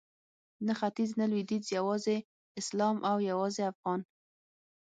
نه ختیځ نه لویدیځ یوازې اسلام او یوازې افغان